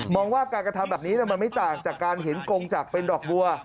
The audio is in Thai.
ว่าการกระทำแบบนี้มันไม่ต่างจากการเห็นกงจักรเป็นดอกบัว